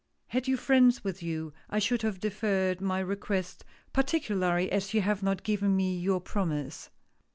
Had you friends with you, I should have deferred my request, partic ularly as you have not given me your promise."